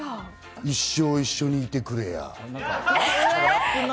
「一生一緒にいてくれや」。